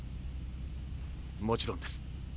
もちろんです。